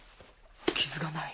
傷がない。